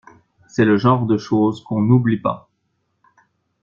C'est le genre de choses qu'on oublie pas.